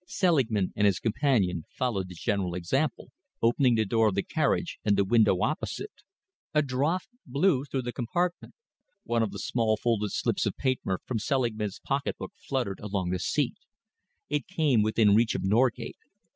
Selingman and his companion followed the general example, opening the door of the carriage and the window opposite. A draught blew through the compartment. One of the small folded slips of paper from Selingman's pocket book fluttered along the seat. It came within reach of Norgate.